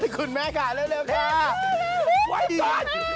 คุณแม่ค่ะเร็วค่ะ